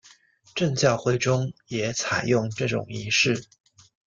正教会中也采用这种仪式。